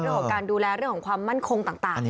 ด้วยกรับการดูแลเรื่องของความมั่นคงต่าง